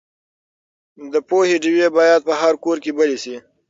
د پوهې ډیوې باید په هر کور کې بلې شي.